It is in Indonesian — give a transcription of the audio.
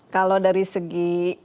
kalau dari segi